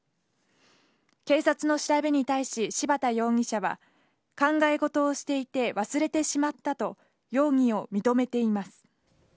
警察の調べに対し、柴田容疑者は、考え事をしていて忘れてしまったと、容疑を認めています。